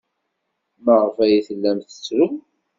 Maɣef ay tellam tettrum?